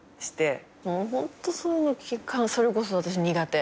もうホントそういうのそれこそ私苦手。